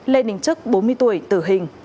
lê đình trức bốn mươi tuổi tử hình